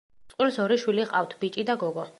წყვილს ორი შვილი ჰყავთ: ბიჭი და გოგო.